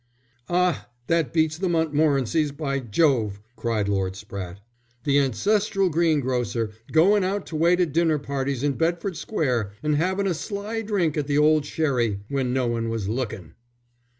"Ah, that beats the Montmorencys, by Jove," cried Lord Spratte. "The ancestral green grocer goin' out to wait at dinner parties in Bedford Square, and havin' a sly drink at the old sherry when no one was lookin'!"